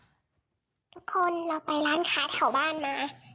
ทุกคนเราไปร้านค้าแถวบ้านมา